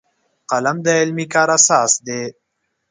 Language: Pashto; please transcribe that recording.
قلم د علمي کار اساس دی